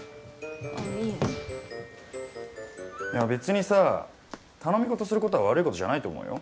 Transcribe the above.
別にさ頼み事することは悪いことじゃないと思うよ。